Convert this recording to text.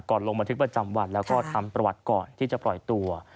ลงบันทึกประจำวันแล้วก็ทำประวัติก่อนที่จะปล่อยตัว